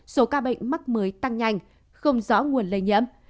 số ca bệnh mắc mới tăng nhanh không rõ nguồn lây nhiễm